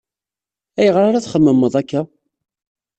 Ayɣeṛ ara txemmemeḍ akka?